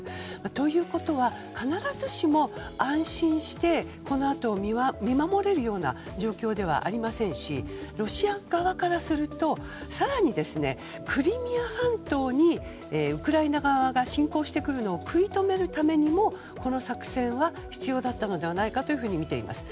ということは、必ずしも安心してこのあとを見守れるような状況ではありませんしロシア側からすると更にクリミア半島にウクライナ側が侵攻してくるのを食い止めるためにもこの作戦は必要だったのではないかとみています。